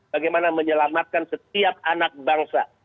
bagaimana menyelamatkan setiap anak bangsa